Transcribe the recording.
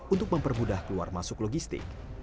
untuk mempermudah keluar masuk logistik